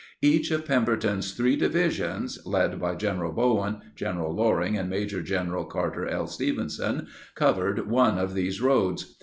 Each of Pemberton's three divisions—led by General Bowen, General Loring, and Maj. Gen. Carter L. Stevenson—covered one of these roads.